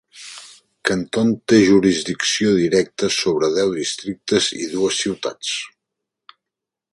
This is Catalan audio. Canton té jurisdicció directa sobre deu districtes i dues ciutats.